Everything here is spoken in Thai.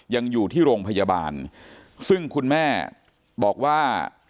ยังอยู่ที่โรงพยาบาลซึ่งคุณแม่บอกว่า